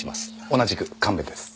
同じく神戸です。